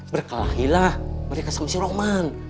berkelahilah mereka sama si roman